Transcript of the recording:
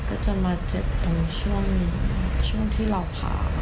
ก็จะมาเจ็บตรงช่วงนี้ช่วงที่เราผ่า